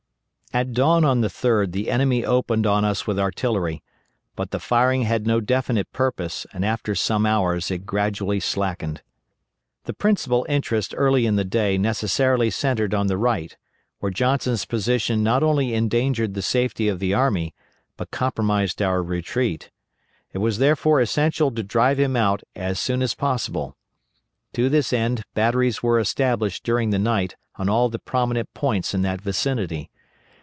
At dawn on the 3d the enemy opened on us with artillery, but the firing had no definite purpose, and after some hours it gradually slackened. The principal interest early in the day necessarily centred on the right, where Johnson's position not only endangered the safety of the army, but compromised our retreat. It was therefore essential to drive him out as soon as possible. To this end batteries were established during the night on all the prominent points in that vicinity.